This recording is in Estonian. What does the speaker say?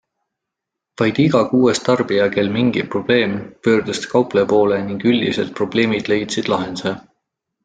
Vaid iga kuues tarbija, kel mingi probleem, pöördus kaupleja poole ning üldiselt probleemid leidsid lahenduse.